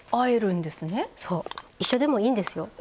一緒でもいいんですよ。